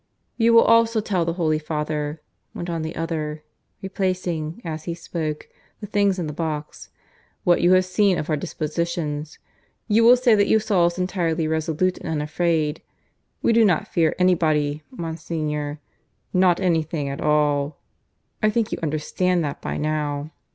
"You will also tell the Holy Father," went on the other, replacing, as he spoke, the things in the box, "what you have seen of our dispositions. You will say that you saw us entirely resolute and unafraid. We do not fear anybody, Monsignor not anything at all; I think you understand that by now.